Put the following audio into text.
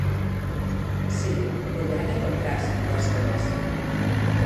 Si, volverán a encontrarse en dúas horas.